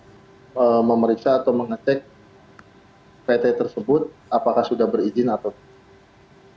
untuk memeriksa atau mengecek pt tersebut apakah sudah berizin atau tidak